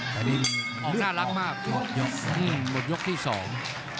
ออกสร้างรักมากหมดยกที่สอง